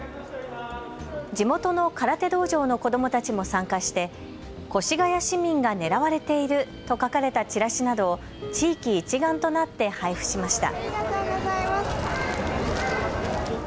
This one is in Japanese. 地元の空手道場の子どもたちも参加して越谷市民が狙われていると書かれたチラシなどを地域一丸となって配布しました。